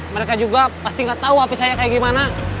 mereka juga pasti gak tau hp saya kayak gimana